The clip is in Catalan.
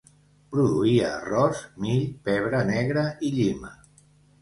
Produïa arròs, mill, pebre negre i llima.